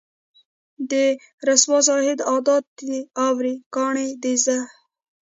د رســــــوا زاهـــــد عـــــــادت دی اوروي کاڼي د زهد